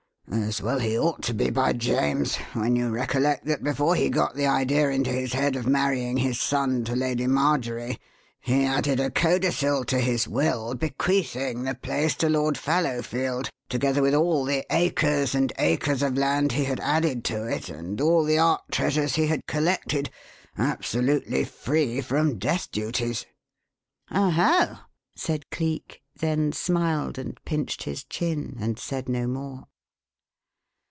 As well he ought to be, by James! when you recollect that before he got the idea into his head of marrying his son to Lady Marjorie he added a codicil to his will bequeathing the place to Lord Fallowfield, together with all the acres and acres of land he had added to it, and all the art treasures he had collected, absolutely free from death duties." "Oho!" said Cleek, then smiled and pinched his chin and said no more.